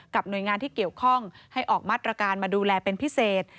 หน่วยงานที่เกี่ยวข้องให้ออกมาตรการมาดูแลเป็นพิเศษ